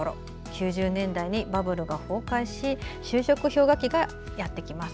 ９０年代にバブルが崩壊し就職氷河期がやってきます。